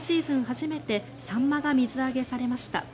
初めてサンマが水揚げされました。